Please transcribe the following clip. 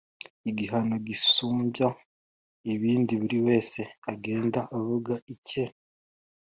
igihano gisumbye ibindi, buri wese agenda avuga icye